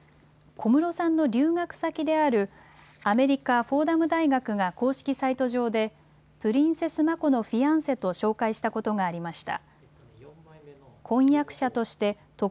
小室さんの留学先である、アメリカ・フォーダム大学が公式サイト上で、プリンセス眞子のフィアンセと紹介したことがありました。